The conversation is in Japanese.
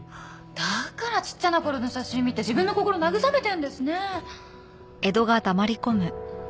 だからちっちゃな頃の写真見て自分の心慰めてるんですね。